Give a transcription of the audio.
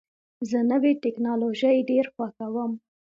زه نوې ټکنالوژۍ ډېر خوښوم.